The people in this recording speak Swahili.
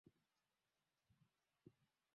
kuwepo sasa kwa tamasha hili unafikiri kutamkomboa